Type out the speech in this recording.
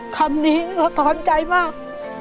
คำนี้สะท้อนใจมาก